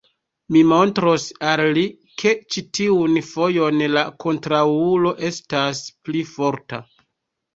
Mi montros al li, ke ĉi tiun fojon la kontraŭulo estas pli forta.